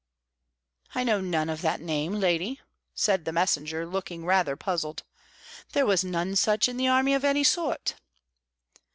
"I know none of that name, lady," said the messenger, looking rather puzzled; "there was none such in the army of any sort."